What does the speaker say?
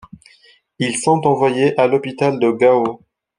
Ils sont envoyés à l'hôpital de Gao.